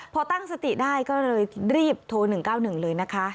พอตั้งสติได้ก็เลยรีบโทร๑๙๑เลยนะคะ